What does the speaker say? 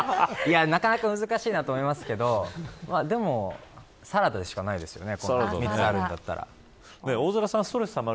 なかなか難しいなと思いますけどでもサラダしかないですよね。